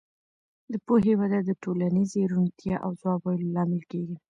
د پوهې وده د ټولنیزې روڼتیا او ځواب ویلو لامل کېږي.